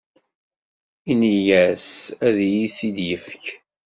Ini-as ad iyi-t-id-yefk.